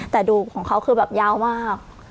แต่ดูของเขาคือแบบยาวมาก